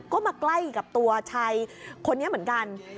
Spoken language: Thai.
ก็มาใกล้กับตัวชายคนนี้เหมือนกัน